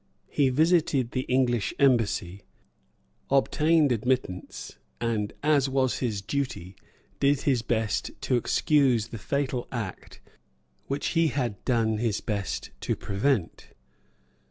He visited the English embassy, obtained admittance, and, as was his duty, did his best to excuse the fatal act which he had done his best to prevent.